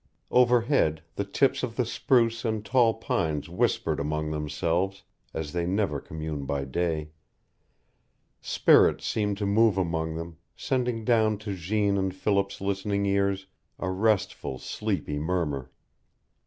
Overhead the tips of the spruce and tall pines whispered among themselves, as they never commune by day. Spirits seemed to move among them, sending down to Jeanne's and Philip's listening ears a restful, sleepy murmur.